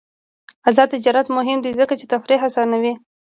آزاد تجارت مهم دی ځکه چې تفریح اسانوي.